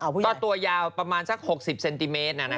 ก็ตัวยาวประมาณสัก๖๐เซนติเมตร